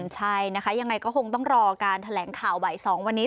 ใช่นะคะยังไงก็คงต้องรอการแถลงข่าวบ่าย๒วันนี้